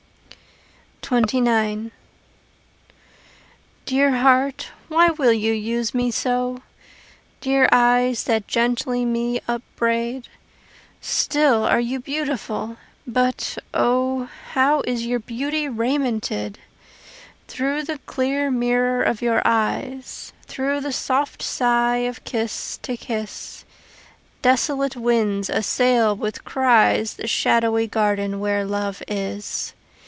XXIX Dear heart, why will you use me so? Dear eyes that gently me upbraid, Still are you beautiful but O, How is your beauty raimented! Through the clear mirror of your eyes, Through the soft sigh of kiss to kiss, Desolate winds assail with cries The shadowy garden where love is.